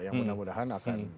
yang mudah mudahan akan